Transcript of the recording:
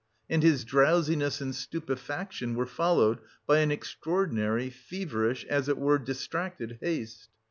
And his drowsiness and stupefaction were followed by an extraordinary, feverish, as it were distracted haste.